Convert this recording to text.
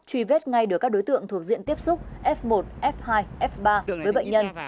truy vết ngay được các đối tượng thuộc diện tiếp xúc f một f hai f ba với bệnh nhân